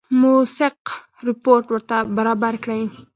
موثق رپوټ ورته برابر کړي.